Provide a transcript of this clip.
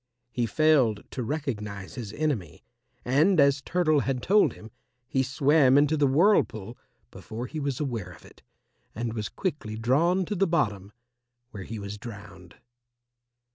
He failed to recognize his enemy, and as Turtle had told him, he swam into the whirlpool before he was aware of it, and was quickly drawn to the bottom, where he was drowned.